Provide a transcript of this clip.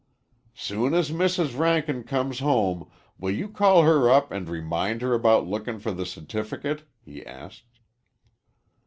"Soon as Mrs. Rankin comes home, will you call her up and remind her about lookin' for the certificate?" he asked.